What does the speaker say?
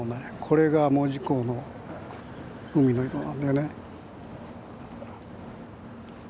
これが門司港の海の色なんだよね。